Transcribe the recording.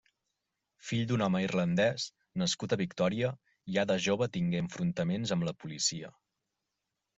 Fill d'un home irlandès, nascut a Victòria, ja de jove tingué enfrontaments amb la policia.